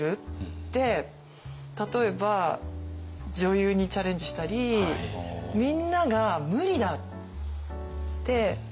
で例えば女優にチャレンジしたりみんなが「無理だ！」って反対したんです。